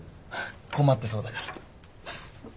困ってそうだから。